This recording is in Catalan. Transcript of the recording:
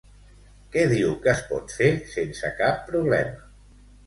Què diu que es pot fer sense cap problema?